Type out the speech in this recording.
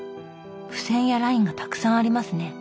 付箋やラインがたくさんありますね。